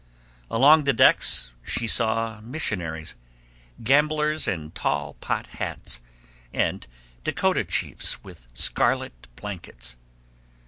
Along the decks she saw missionaries, gamblers in tall pot hats, and Dakota chiefs with scarlet blankets.